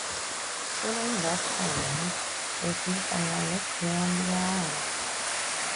Following that challenge, the three finalists were on their own.